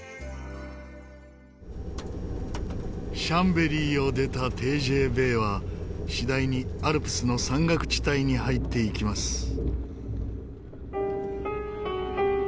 シャンベリーを出たＴＧＶは次第にアルプスの山岳地帯に入っていきます。